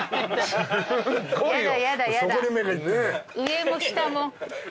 上も下も。